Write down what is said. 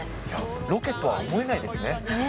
ロケとは思えないですね。